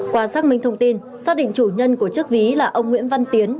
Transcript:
qua xác minh thông tin xác định chủ nhân của chiếc ví là ông nguyễn văn tiến